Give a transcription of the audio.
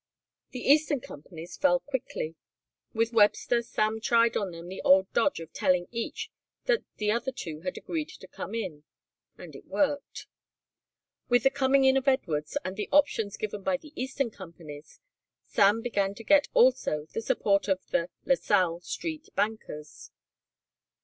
The eastern companies fell quickly. With Webster Sam tried on them the old dodge of telling each that the other two had agreed to come in, and it worked. With the coming in of Edwards and the options given by the eastern companies Sam began to get also the support of the LaSalle Street bankers.